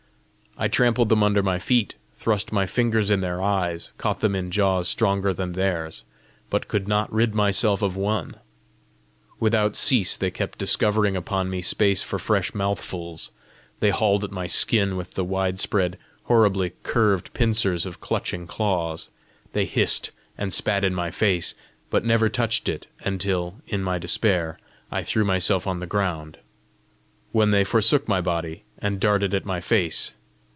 I trampled them under my feet, thrust my fingers in their eyes, caught them in jaws stronger than theirs, but could not rid myself of one. Without cease they kept discovering upon me space for fresh mouthfuls; they hauled at my skin with the widespread, horribly curved pincers of clutching claws; they hissed and spat in my face but never touched it until, in my despair, I threw myself on the ground, when they forsook my body, and darted at my face.